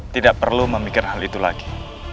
tidak perlu memikir hal itu lagi